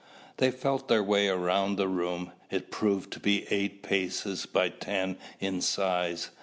They felt their way around the room. It proved to be eight paces by ten in size.